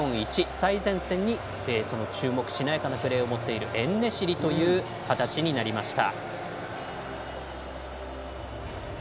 最前線に注目のしなやかなプレーを持っているエンネシリという形になりました。